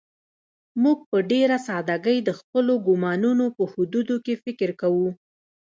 موږ په ډېره سادهګۍ د خپلو ګومانونو په حدودو کې فکر کوو.